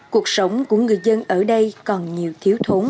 cuộc sống của người dân ở đây còn nhiều thiếu thốn